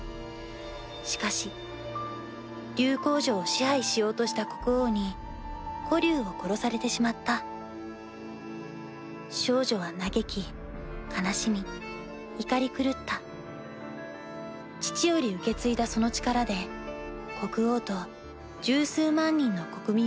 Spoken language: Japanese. しかし竜皇女を支配しようとした国王に子竜を殺されてしまった少女は嘆き悲しみ怒り狂った父より受け継いだその力で国王と１０数万人の国民